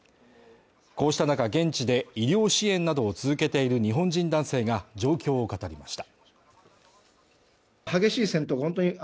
こうした中現地で医療支援などを続けている日本人男性が、状況を語りました。